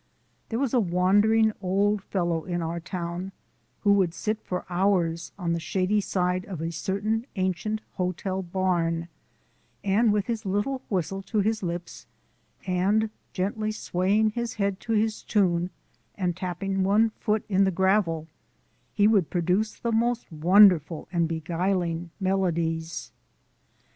There was a wandering old fellow in our town who would sit for hours on the shady side of a certain ancient hotel barn, and with his little whistle to his lips, and gently swaying his head to his tune and tapping one foot in the gravel, he would produce the most wonderful and beguiling melodies.